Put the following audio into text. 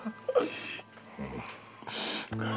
うん。